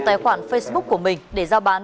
tài khoản facebook của mình để giao bán